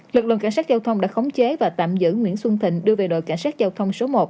lực lượng cảnh sát giao thông đã khống chế và tạm giữ nguyễn xuân thịnh đưa về đội cảnh sát giao thông số một